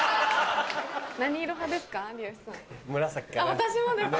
私もです！ね！